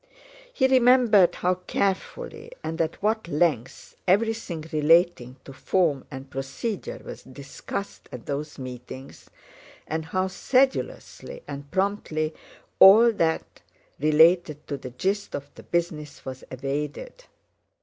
He remembered how carefully and at what length everything relating to form and procedure was discussed at those meetings, and how sedulously and promptly all that related to the gist of the business was evaded.